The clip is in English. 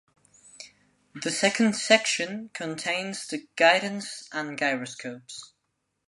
The second section contains the guidance and gyroscopes.